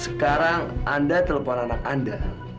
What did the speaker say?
sekarang anda telepon anak anda